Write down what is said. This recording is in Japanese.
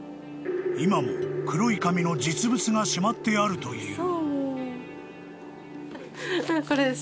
［今も黒い紙の実物がしまってあるという］